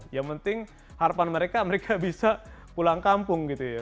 yang penting harapan mereka mereka bisa pulang kampung gitu ya